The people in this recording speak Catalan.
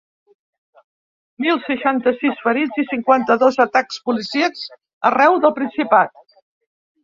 Mil seixanta-sis ferits i cinquanta-dos atacs policíacs arreu del Principat.